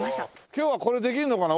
今日はこれできるのかな？